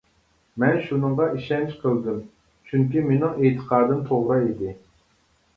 مەن شۇنىڭغا ئىشەنچ قىلدىم، چۈنكى مېنىڭ ئېتىقادىم توغرا ئىدى.